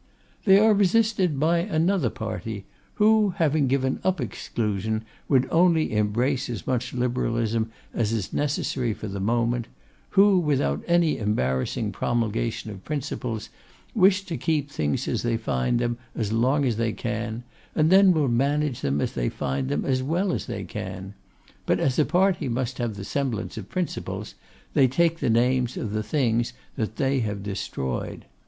'They are resisted by another party, who, having given up exclusion, would only embrace as much liberalism as is necessary for the moment; who, without any embarrassing promulgation of principles, wish to keep things as they find them as long as they can, and then will manage them as they find them as well as they can; but as a party must have the semblance of principles, they take the names of the things that they have destroyed.